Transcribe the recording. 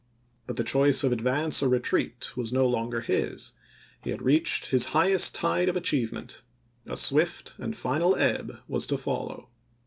But the choice of advance or retreat was no longer his; he had reached his highest tide of achievement; a swift and final ebb was to follow.